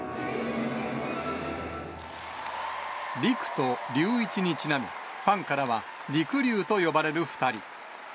りくとりゅういちにちなみ、ファンからはりくりゅうと呼ばれる２人。